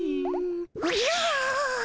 おじゃ！